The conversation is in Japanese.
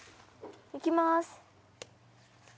行きます。